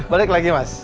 balik lagi mas